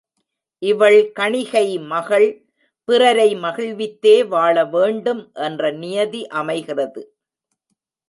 இவள் கணிகை மகள் பிறரை மகிழ்வித்தே வாழ வேண்டும் என்ற நியதி அமைகிறது.